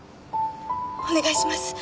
お願いします。